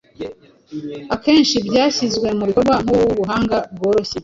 Akenhi byahyizwe mubikorwa nk "ubuhanga bworohye"